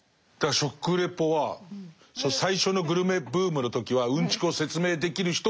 食レポは最初のグルメブームの時はうんちくを説明できる人が重宝がられたんです。